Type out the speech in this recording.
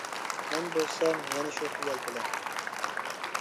مەن بولسام يەنە شۇ خىيال بىلەن. ؟؟؟!